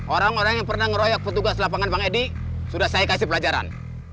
orang orang yang pernah ngeroyok petugas lapangan bang edi sudah saya kasih pelajaran